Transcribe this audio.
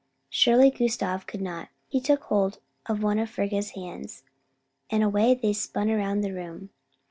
Surely Gustav could not. He took hold of one of Frigga's hands, and away they spun around the room.